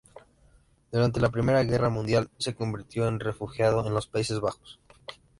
Durante la Primera Guerra Mundial se convirtió en refugiado en los Países Bajos.